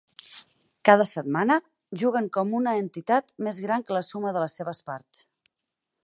Cada setmana, juguen com una entitat més gran que la suma de les seves parts.